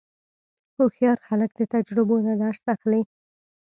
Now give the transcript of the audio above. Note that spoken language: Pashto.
هوښیار خلک د تجربو نه درس اخلي.